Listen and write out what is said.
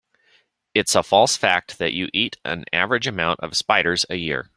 It's a false fact that you eat an average amount of spiders a year.